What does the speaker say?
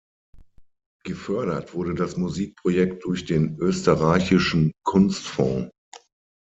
Gefördert wurde das Musikprojekt durch den österreichischen Kunstfonds.